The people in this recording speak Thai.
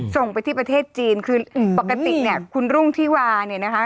ส่งไปที่ประเทศจีนคือปกติเนี่ยคุณรุ่งที่วาเนี่ยนะคะ